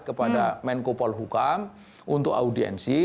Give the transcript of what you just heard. kepada menko polhukam untuk audiensi